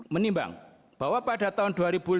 menimbang bahwa pada tahun dua ribu lima belas